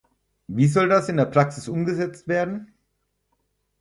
Wie soll das in der Praxis umgesetzt werden?